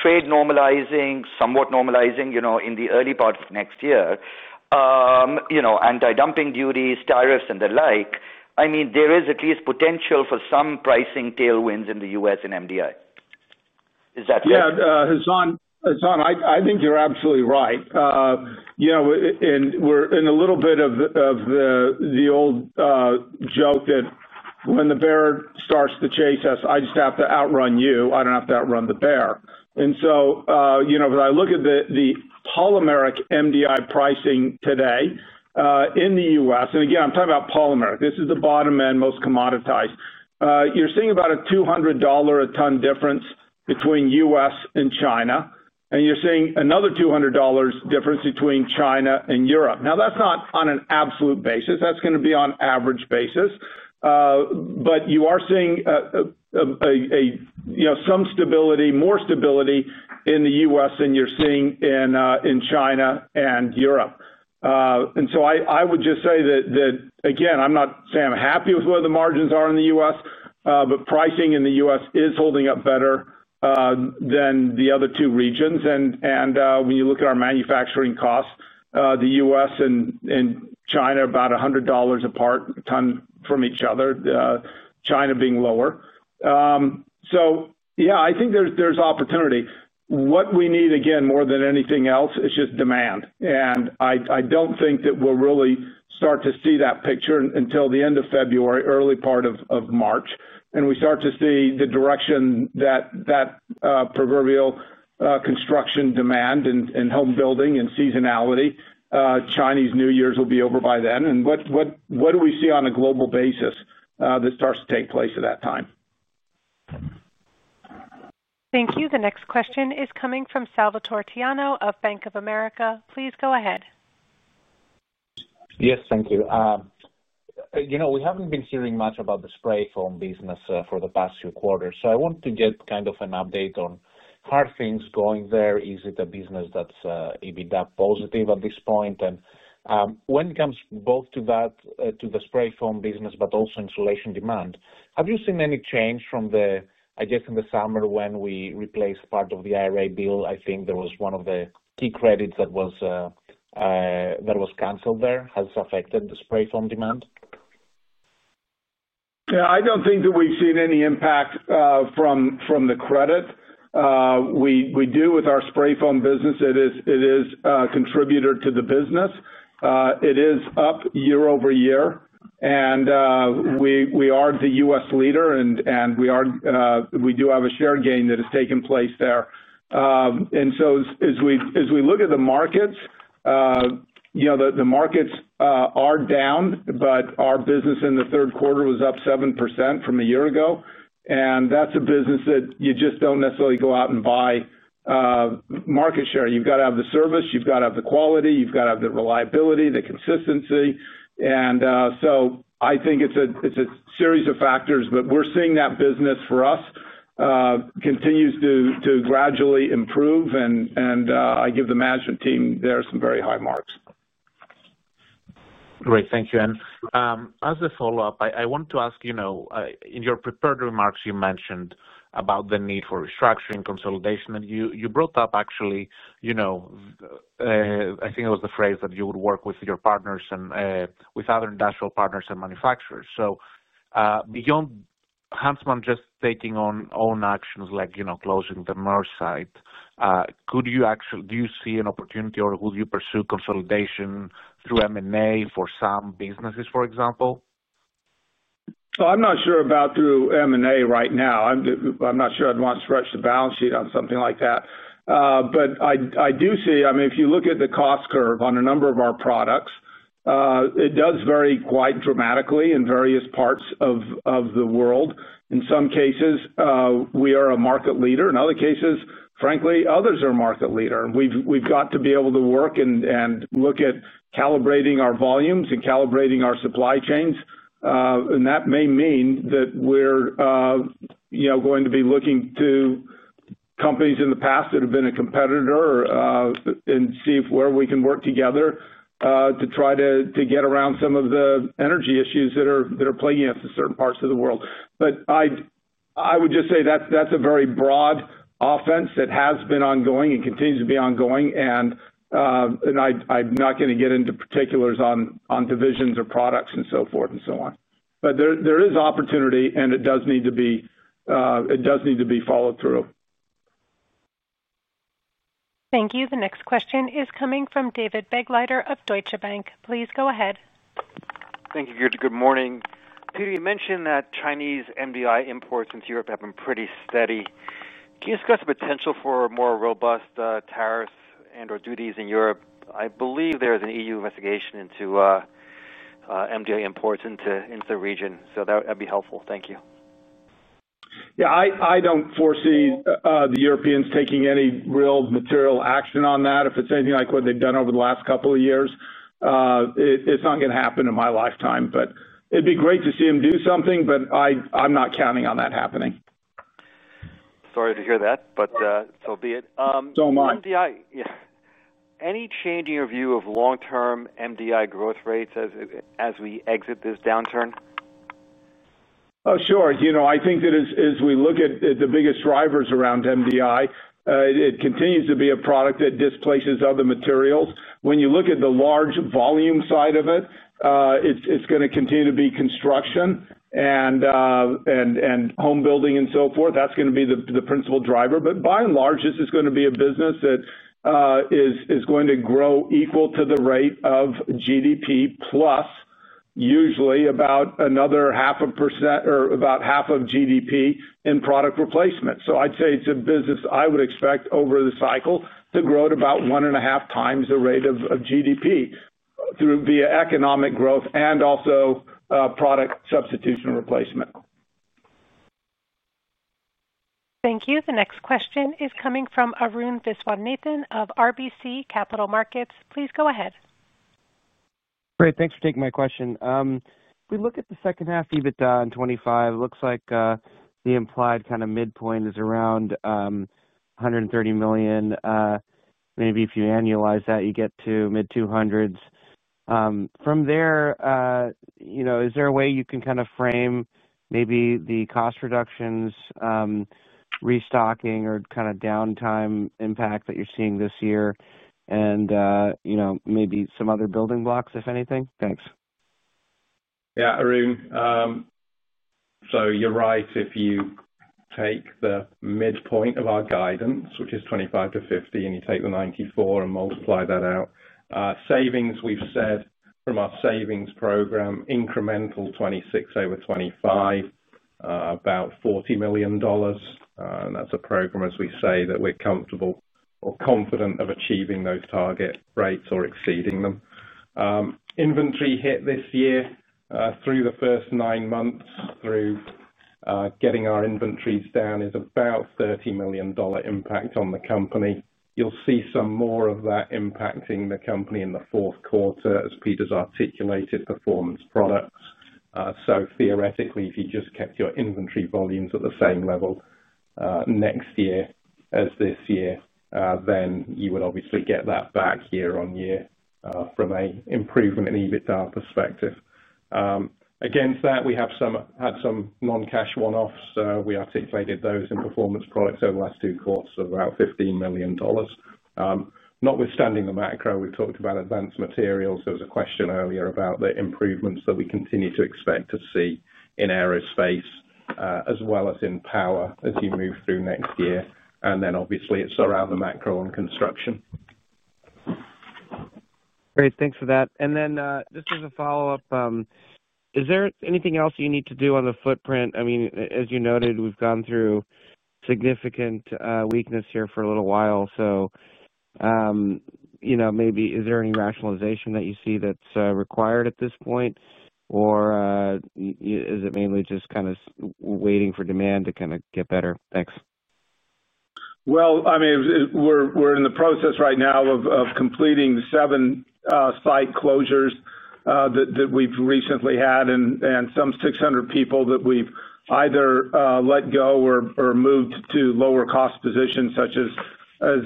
trade normalizing, somewhat normalizing in the early part of next year, anti-dumping duties, tariffs, and the like. I mean, there is at least potential for some pricing tailwinds in the U.S. in MDI. Is that correct? Yeah. Hassan, I think you're absolutely right. We're in a little bit of the old joke that when the bear starts to chase us, I just have to outrun you. I don't have to outrun the bear. If I look at the Polymeric MDI pricing today in the U.S., and again, I'm talking about polymeric. This is the bottom end, most commoditized. You're seeing about a $200 a ton difference between the U.S. and China, and you're seeing another $200 difference between China and Europe. Now, that's not on an absolute basis. That's going to be on an average basis. You are seeing some stability, more stability in the U.S. than you're seeing in China and Europe. I would just say that, again, I'm not saying I'm happy with where the margins are in the U.S., but pricing in the U.S. is holding up better than the other two regions. When you look at our manufacturing costs, the U.S. and China are about $100 a ton from each other, China being lower. I think there's opportunity. What we need, again, more than anything else, is just demand. I don't think that we'll really start to see that picture until the end of February, early part of March. We start to see the direction that proverbial construction demand and home building and seasonality, Chinese New Year's will be over by then. What do we see on a global basis that starts to take place at that time? Thank you. The next question is coming from Salvator Tiano of Bank of America. Please go ahead. Yes, thank you. We have not been hearing much about the spray foam business for the past few quarters. I want to get kind of an update on how are things going there. Is it a business that is EBITDA positive at this point? When it comes both to that, to the spray foam business, but also insulation demand, have you seen any change from the, I guess, in the summer when we replaced part of the IRA bill? I think there was one of the key credits that was canceled there. Has it affected the spray foam demand? Yeah. I do not think that we have seen any impact from the credit. We do with our spray foam business. It is a contributor to the business. It is up year-over-year. We are the U.S. leader, and we do have a share gain that has taken place there. As we look at the markets, the markets are down, but our business in the third quarter was up 7% from a year ago. That is a business that you just do not necessarily go out and buy market share. You have got to have the service. You have got to have the quality. You have got to have the reliability, the consistency. I think it is a series of factors, but we are seeing that business for us continues to gradually improve. I give the management team there some very high marks. Great. Thank you. As a follow-up, I want to ask, in your prepared remarks, you mentioned about the need for restructuring, consolidation. You brought up, actually, I think it was the phrase that you would work with your partners and with other industrial partners and manufacturers. Beyond Huntsman just taking on own actions like closing the Moors site, could you actually do you see an opportunity or would you pursue consolidation through M&A for some businesses, for example? I'm not sure about through M&A right now. I'm not sure I'd want to stretch the balance sheet on something like that. I do see, I mean, if you look at the cost curve on a number of our products, it does vary quite dramatically in various parts of the world. In some cases, we are a market leader. In other cases, frankly, others are a market leader. We've got to be able to work and look at calibrating our volumes and calibrating our supply chains. That may mean that we're going to be looking to companies in the past that have been a competitor and see where we can work together to try to get around some of the energy issues that are plaguing us in certain parts of the world. I would just say that's a very broad offense that has been ongoing and continues to be ongoing. I'm not going to get into particulars on divisions or products and so forth and so on. There is opportunity, and it does need to be followed through. Thank you. The next question is coming from David Begleiter of Deutsche Bank. Please go ahead. Thank you, Peter. Good morning. Peter, you mentioned that Chinese MDI imports into Europe have been pretty steady. Can you discuss the potential for more robust tariffs and/or duties in Europe? I believe there is an EU investigation into MDI imports into the region. That would be helpful. Thank you. Yeah. I don't foresee the Europeans taking any real material action on that. If it's anything like what they've done over the last couple of years, it's not going to happen in my lifetime. It'd be great to see them do something, but I'm not counting on that happening. Sorry to hear that, but so be it. Don't mind. Any change in your view of long-term MDI growth rates as we exit this downturn? Oh, sure. I think that as we look at the biggest drivers around MDI, it continues to be a product that displaces other materials. When you look at the large volume side of it, it's going to continue to be construction and home building and so forth. That is going to be the principal driver. By and large, this is going to be a business that is going to grow equal to the rate of GDP, plus usually about another half a percent or about half of GDP in product replacement. I would say it's a business I would expect over the cycle to grow at about one and a half times the rate of GDP via economic growth and also product substitution replacement. Thank you. The next question is coming from Arun Viswanathan of RBC Capital Markets. Please go ahead. Great. Thanks for taking my question. If we look at the second half EBITDA in 2025, it looks like the implied kind of midpoint is around $130 million. Maybe if you annualize that, you get to mid-$200 million. From there, is there a way you can kind of frame maybe the cost reductions, restocking, or kind of downtime impact that you're seeing this year and maybe some other building blocks, if anything? Thanks. Yeah, Arun. So you're right. If you take the midpoint of our guidance, which is 25-50, and you take the 94 and multiply that out, savings, we've said from our savings program, incremental 26 over 25, about $40 million. And that's a program, as we say, that we're comfortable or confident of achieving those target rates or exceeding them. Inventory hit this year through the first nine months through getting our inventories down is about $30 million impact on the company. You'll see some more of that impacting the company in the fourth quarter, as Peter's articulated, performance products. Theoretically, if you just kept your inventory volumes at the same level next year as this year, then you would obviously get that back year on year from an improvement in EBITDA perspective. Against that, we have had some non-cash one-offs. We articulated those in performance products over the last two quarters of about $15 million. Notwithstanding the macro, we've talked about advanced materials. There was a question earlier about the improvements that we continue to expect to see in aerospace as well as in power as you move through next year. Obviously, it's around the macro and construction. Great. Thanks for that. Just as a follow-up, is there anything else you need to do on the footprint? I mean, as you noted, we've gone through significant weakness here for a little while. Maybe is there any rationalization that you see that's required at this point? Is it mainly just kind of waiting for demand to kind of get better? Thanks. I mean, we're in the process right now of completing seven site closures that we've recently had and some 600 people that we've either let go or moved to lower-cost positions, such as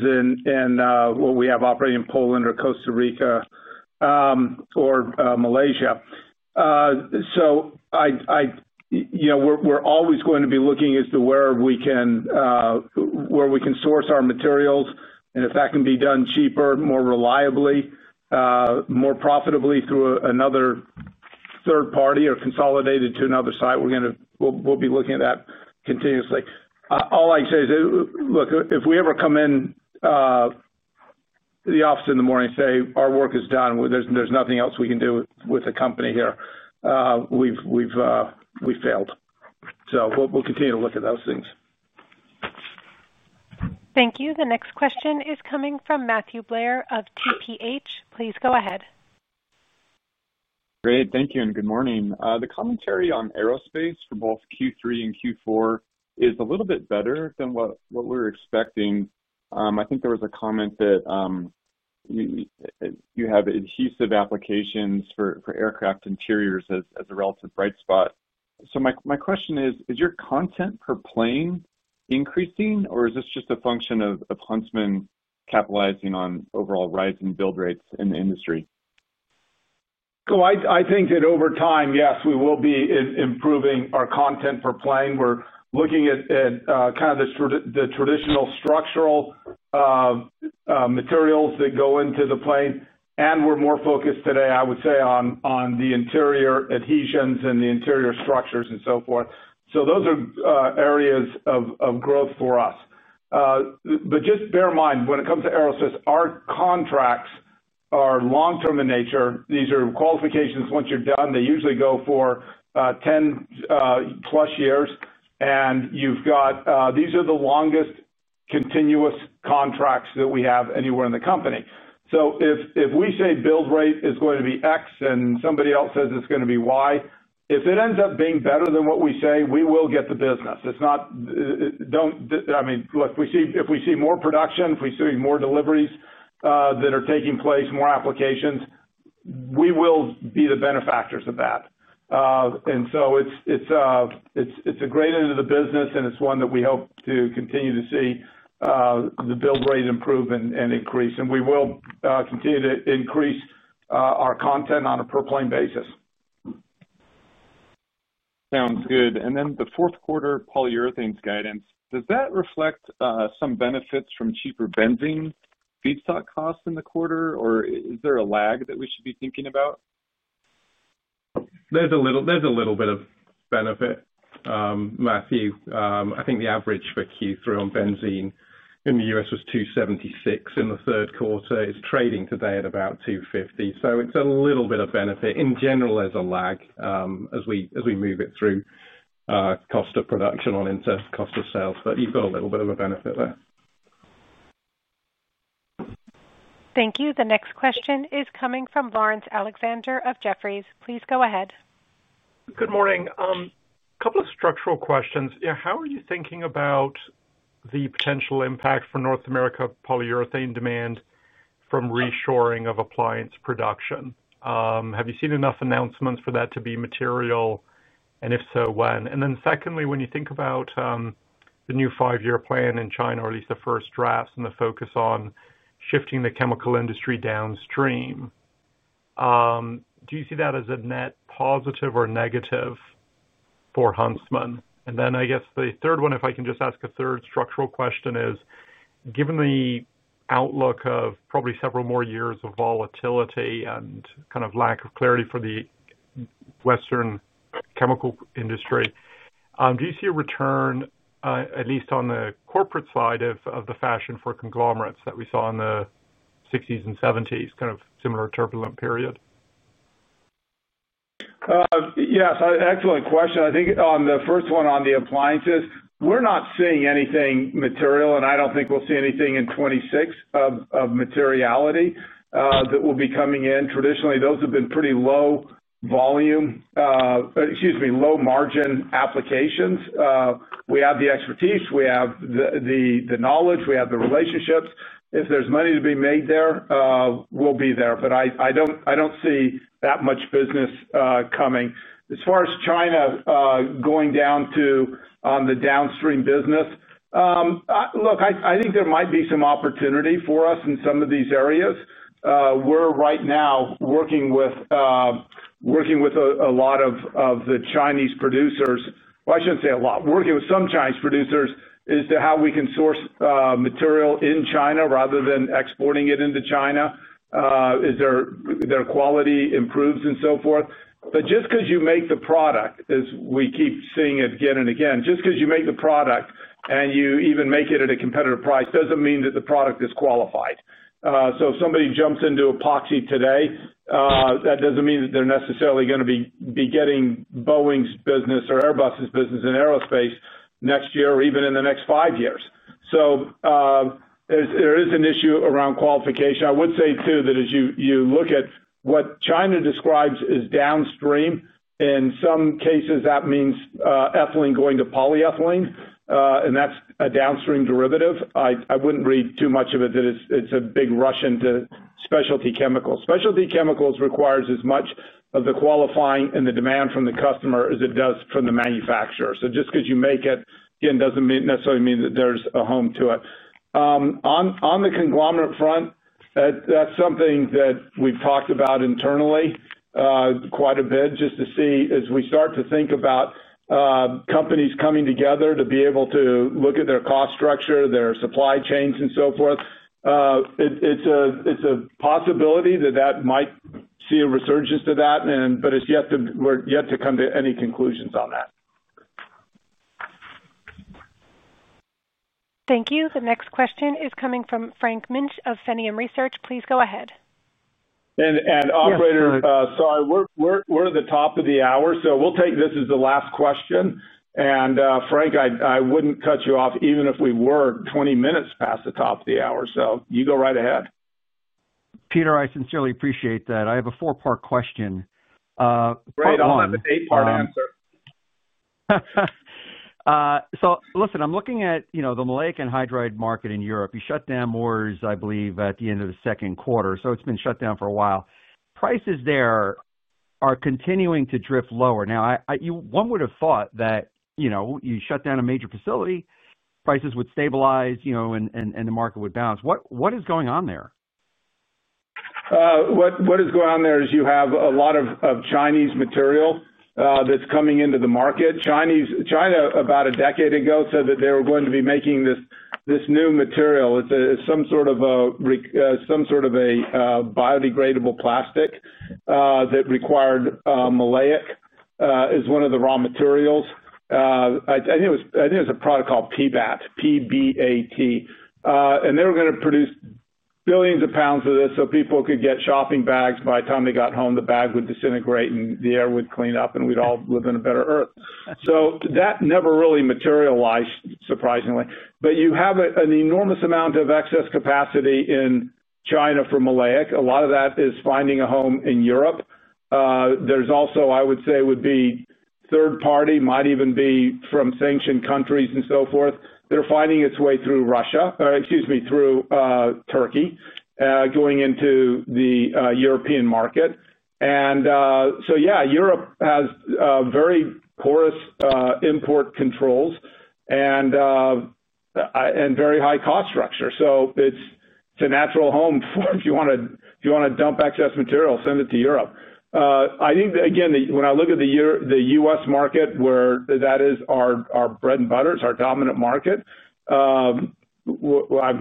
in what we have operating in Poland or Costa Rica or Malaysia. We're always going to be looking as to where we can source our materials. If that can be done cheaper, more reliably, more profitably through another third party or consolidated to another site, we'll be looking at that continuously. All I can say is, look, if we ever come in the office in the morning and say, "Our work is done, there's nothing else we can do with the company here," we've failed. We'll continue to look at those things. Thank you. The next question is coming from Matthew Blair of TPH. Please go ahead. Great. Thank you and good morning. The commentary on aerospace for both Q3 and Q4 is a little bit better than what we're expecting. I think there was a comment that you have adhesive applications for aircraft interiors as a relative bright spot. My question is, is your content per plane increasing, or is this just a function of Huntsman capitalizing on overall rising build rates in the industry? I think that over time, yes, we will be improving our content per plane. We're looking at kind of the traditional structural materials that go into the plane. We're more focused today, I would say, on the interior adhesions and the interior structures and so forth. Those are areas of growth for us. Just bear in mind, when it comes to aerospace, our contracts are long-term in nature. These are qualifications. Once you're done, they usually go for 10+ years. These are the longest continuous contracts that we have anywhere in the company. If we say build rate is going to be X and somebody else says it's going to be Y, if it ends up being better than what we say, we will get the business. I mean, look, if we see more production, if we see more deliveries that are taking place, more applications, we will be the benefactors of that. It is a great end of the business, and it is one that we hope to continue to see the build rate improve and increase. We will continue to increase our content on a per-plane basis. Sounds good. Then the fourth quarter polyurethanes guidance, does that reflect some benefits from cheaper benzene feedstock costs in the quarter? Or is there a lag that we should be thinking about? There's a little bit of benefit. Matthew, I think the average for Q3 on benzene in the U.S. was $276 in the third quarter. It's trading today at about $250. It's a little bit of benefit. In general, there's a lag as we move it through cost of production on into cost of sales. You've got a little bit of a benefit there. Thank you. The next question is coming from Laurence Alexander of Jefferies. Please go ahead. Good morning. A couple of structural questions. How are you thinking about the potential impact for North America polyurethane demand from reshoring of appliance production? Have you seen enough announcements for that to be material? If so, when? Secondly, when you think about the new five-year plan in China, or at least the first drafts and the focus on shifting the chemical industry downstream, do you see that as a net positive or negative for Huntsman? I guess the third one, if I can just ask a third structural question, is, given the outlook of probably several more years of volatility and kind of lack of clarity for the Western chemical industry, do you see a return, at least on the corporate side, of the fashion for conglomerates that we saw in the 1960s and 1970s, kind of similar turbulent period? Yes. Excellent question. I think on the first one on the appliances, we're not seeing anything material. I do not think we'll see anything in 2026 of materiality that will be coming in. Traditionally, those have been pretty low volume, excuse me, low-margin applications. We have the expertise. We have the knowledge. We have the relationships. If there's money to be made there, we'll be there. I do not see that much business coming. As far as China going down to on the downstream business, look, I think there might be some opportunity for us in some of these areas. We're right now working with a lot of the Chinese producers. I should not say a lot. Working with some Chinese producers as to how we can source material in China rather than exporting it into China as their quality improves and so forth. Just because you make the product, as we keep seeing it again and again, just because you make the product and you even make it at a competitive price does not mean that the product is qualified. If somebody jumps into epoxy today, that does not mean that they are necessarily going to be getting Boeing's business or Airbus's business in aerospace next year or even in the next five years. There is an issue around qualification. I would say too that as you look at what China describes as downstream, in some cases, that means ethylene going to polyethylene. That is a downstream derivative. I would not read too much of it that it is a big rush into specialty chemicals. Specialty chemicals requires as much of the qualifying and the demand from the customer as it does from the manufacturer. Just because you make it, again, does not necessarily mean that there is a home to it. On the conglomerate front, that is something that we have talked about internally quite a bit just to see as we start to think about companies coming together to be able to look at their cost structure, their supply chains, and so forth. It is a possibility that that might see a resurgence to that. We are yet to come to any conclusions on that. Thank you. The next question is coming from Frank Mitsch of Fermium Research. Please go ahead. Operator, sorry, we're at the top of the hour. We'll take this as the last question. Frank, I wouldn't cut you off even if we were 20 minutes past the top of the hour. You go right ahead. Peter, I sincerely appreciate that. I have a four-part question. Right on. I'll have an eight-part answer. Listen, I'm looking at the Maleic Anhydride market in Europe. You shut down Moers, I believe, at the end of the second quarter. It has been shut down for a while. Prices there are continuing to drift lower. Now, one would have thought that you shut down a major facility, prices would stabilize, and the market would bounce. What is going on there? What is going on there is you have a lot of Chinese material that's coming into the market. China, about a decade ago, said that they were going to be making this new material. It's some sort of a biodegradable plastic that required maleic as one of the raw materials. I think it was a product called PBAT. P-B-A-T. And they were going to produce billions of pounds of this so people could get shopping bags. By the time they got home, the bag would disintegrate and the air would clean up, and we'd all live in a better earth. That never really materialized, surprisingly. You have an enormous amount of excess capacity in China for Maleic. A lot of that is finding a home in Europe. There is also, I would say, would be third-party, might even be from sanctioned countries and so forth. They're finding its way through Russia or, excuse me, through Turkey, going into the European market. Europe has very porous import controls and a very high cost structure. It is a natural home for if you want to dump excess material, send it to Europe. I think, again, when I look at the U.S. market, where that is our bread and butter, it's our dominant market. I'm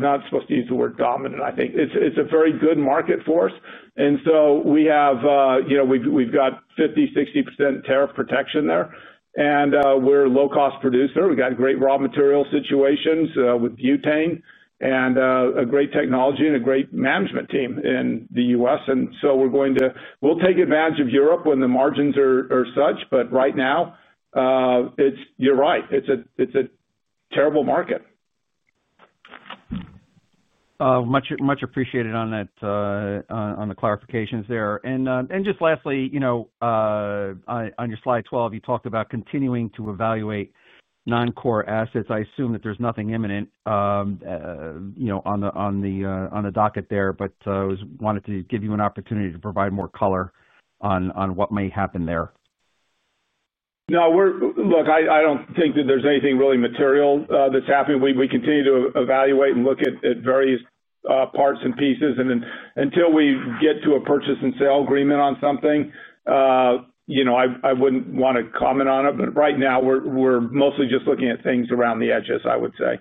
not supposed to use the word dominant, I think. It is a very good market for us. We have 50%-60% tariff protection there. We're a low-cost producer. We've got great raw material situations with butane and a great technology and a great management team in the U.S. We're going to take advantage of Europe when the margins are such. Right now, you're right. It's a terrible market. Much appreciated on the clarifications there. Just lastly, on your slide 12, you talked about continuing to evaluate non-core assets. I assume that there's nothing imminent on the docket there. I wanted to give you an opportunity to provide more color on what may happen there. No. Look, I do not think that there is anything really material that is happening. We continue to evaluate and look at various parts and pieces. Until we get to a purchase and sale agreement on something, I would not want to comment on it. Right now, we are mostly just looking at things around the edges, I would say.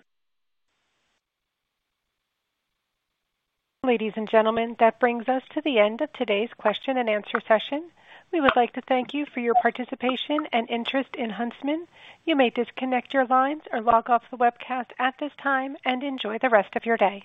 Ladies and gentlemen, that brings us to the end of today's question and answer session. We would like to thank you for your participation and interest in Huntsman. You may disconnect your lines or log off the webcast at this time and enjoy the rest of your day.